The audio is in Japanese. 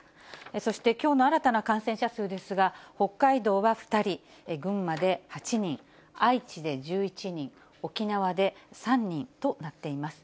そしてきょうの新たな感染者数ですが、北海道は２人、群馬で８人、愛知で１１人、沖縄で３人となっています。